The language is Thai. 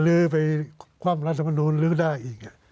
เหนือไปความรัฐมนูลหรือได้อีก